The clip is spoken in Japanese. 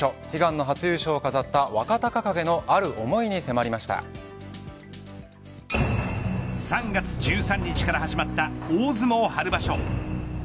悲願の初優勝を飾った若隆景のある思いに３月１３日から始まった大相撲、春場所。